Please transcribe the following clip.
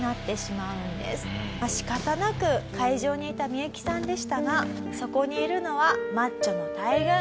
仕方なく会場に行ったミユキさんでしたがそこにいるのはマッチョの大群。